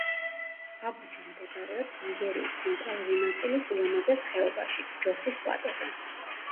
აბუჯა მდებარეობს ნიგერიის ცენტრალური ნაწილის ულამაზეს ხეობაში, ჯოსის პლატოზე.